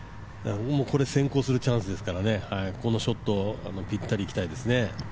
これ、先行するチャンスですから、これ、ショットぴったりいきたいですね。